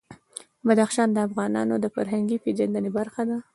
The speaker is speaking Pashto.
بدخشان د افغانانو د فرهنګي پیژندنې برخه ده.